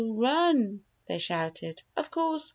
Run!" they shouted. Of course.